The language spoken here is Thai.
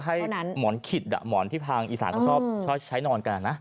ให้หมอนขิดหมอนที่ทางอีสานเขาชอบใช้นอนกันนะ